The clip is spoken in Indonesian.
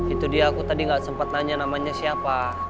itu dia aku tadi gak sempat nanya namanya siapa